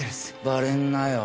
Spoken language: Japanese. バレんなよ。